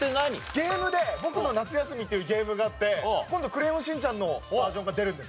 ゲームで『ぼくのなつやすみ』っていうゲームがあって今度『クレヨンしんちゃん』のバージョンが出るんです。